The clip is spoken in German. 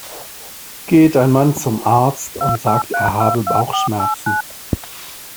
Geht ein Mann zum Arzt und sagt, er habe Bauchschmerzen.